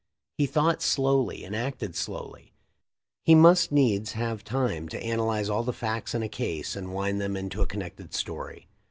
He thought slowly and acted slowly; he must needs have time to analyze all the facts in a case and wind them into a connected story.